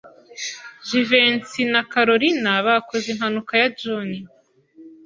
Jivency na Kalorina bakoze impanuka ya John.